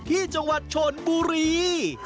ที่จังหวัดชนบุรี